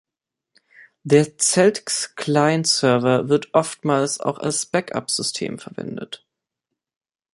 Der Celtx-Client-Server wird oftmals auch als Backup-System verwendet.